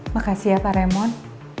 makasih ya pak raymond